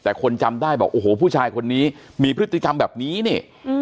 แต่คนจำได้บอกโอ้โหผู้ชายคนนี้มีพฤติกรรมแบบนี้นี่